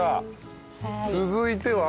続いては。